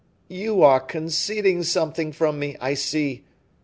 "You are concealing something from me, I see.